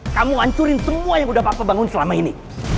kamu hancurin semua yang udah papa bangun selama ini